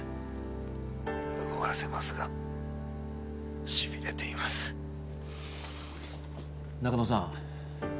動かせますがしびれています中野さん